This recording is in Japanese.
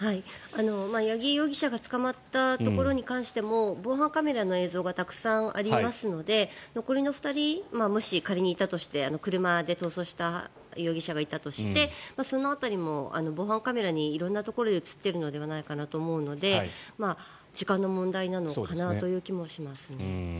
八木容疑者が捕まったところに関しても防犯カメラの映像がたくさんありますので残りの２人、もし仮にいたとして車で逃走した容疑者がいたとしてその辺りも防犯カメラに色んなところで映っているのではないかなと思うので時間の問題なのかなという気もします。